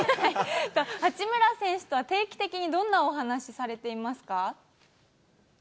八村選手とは定期的にどんなお話されていますか。